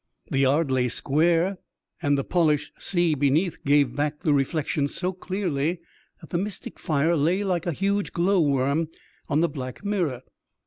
The yard lay square, and the polished sea beneath gave back the reflection so clearly that the mystic fire lay like a huge glow worm on the black mirror.